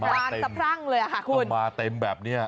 มาเต็มมาเต็มแบบเนี่ย